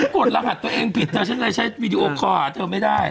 กดรหัสตัวเองผิดเธอฉันเลยใช้วีดีโอคอลหาเธอไม่ได้